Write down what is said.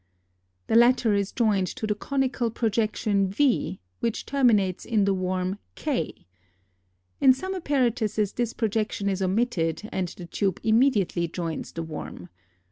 The latter is joined to the conical projection v which terminates in the worm K. In some apparatuses this projection is omitted and the tube immediately joins the worm.